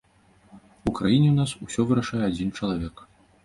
У краіне ў нас усё вырашае адзін чалавек.